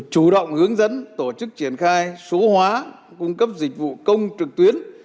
chủ động hướng dẫn tổ chức triển khai số hóa cung cấp dịch vụ công trực tuyến